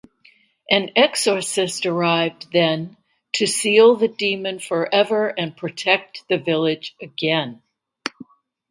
An exorcist arrived then to seal the demon forever and protect the village again.